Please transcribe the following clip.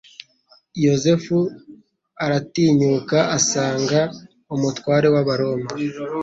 Yosefu aratinyuka asanga umutware w'Abaroma